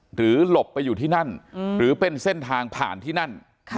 หลบไปอยู่ที่นั่นหรือเป็นเส้นทางผ่านที่นั่น